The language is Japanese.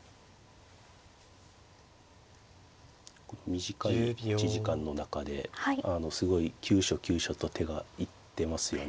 短い持ち時間の中ですごい急所急所と手が行ってますよね。